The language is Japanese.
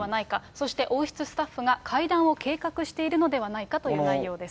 そして、王室スタッフが会談を計画しているのではないかという内容です。